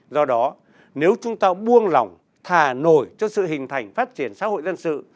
do đó nếu chúng ta buông lỏng thà nổi cho sự hình thành phát triển xã hội dân sự